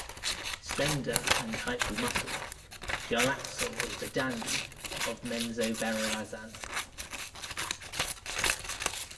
Slender and tightly muscled, Jarlaxle is the dandy of Menzoberranzan.